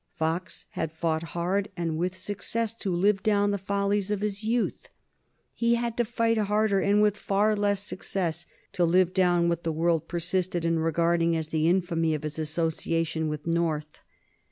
Fox had fought hard and with success to live down the follies of his youth. He had to fight harder and with far less success to live down what the world persisted in regarding as the infamy of his association with North.